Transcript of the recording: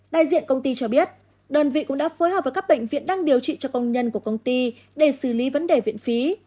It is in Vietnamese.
đại diện công ty cho biết đơn vị cũng đã phối hợp với các bệnh viện đang điều trị cho công nhân của công ty để xử lý vấn đề viện phí